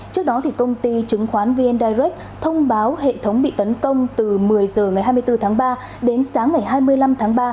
trước đó công ty chứng khoán vn direct thông báo hệ thống bị tấn công từ một mươi h ngày hai mươi bốn tháng ba đến sáng ngày hai mươi năm tháng ba